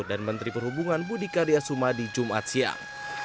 dan menteri perhubungan budi karya suma di jumat siang